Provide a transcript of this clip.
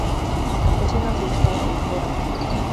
Kateřina zůstala u dvora.